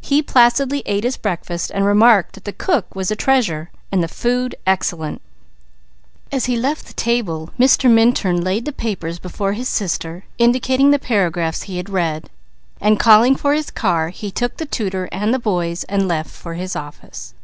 He placidly ate his breakfast, remarking that the cook was a treasure. As he left the table Mr. Minturn laid the papers before his sister, indicating the paragraphs he had read, then calling for his car he took the tutor and the boys and left for his office.